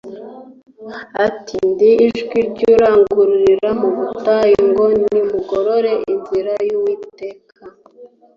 Ati :« Ndi ijwi ry'urangururira mu butayu ngo : nimugorore inzira y'Uwiteka,